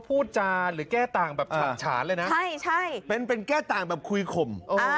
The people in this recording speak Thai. พูดจาหรือแก้ต่างแบบฉานเลยนะเป็นแก้ต่างแบบคุยข่ม